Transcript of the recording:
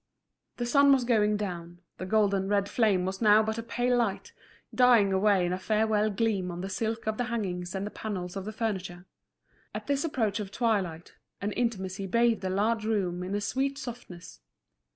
The sun was going down, the golden red flame was now but a pale light, dying away in a farewell gleam on the silk of the hangings and the panels of the furniture. At this approach of twilight, an intimacy bathed the large room in a sweet softness.